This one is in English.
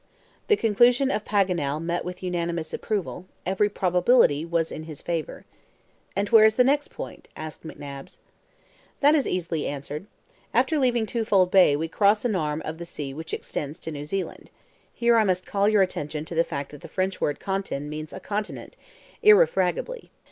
The conclusion of Paganel met with unanimous approval; every probability was in his favor. "And where is the next point?" asked McNabbs. "That is easily answered. After leaving Twofold Bay, we cross an arm of the sea which extends to New Zealand. Here I must call your attention to the fact that the French word CONTIN means a continent, irrefragably.